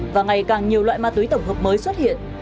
và ngày càng nhiều loại ma túy tổng hợp mới xuất hiện